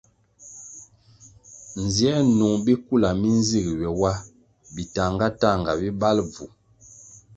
Nziē nung bikula mi nzig ywe wa bi tahnga- tahnga bi bali bvu.